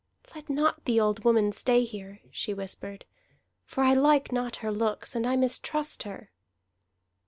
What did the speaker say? "Let not the old woman stay here," she whispered. "For I like not her looks, and I mistrust her."